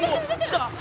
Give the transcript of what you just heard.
「きた？」